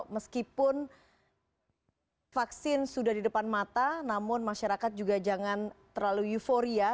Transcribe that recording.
meskipun vaksin sudah di depan mata namun masyarakat juga jangan terlalu euforia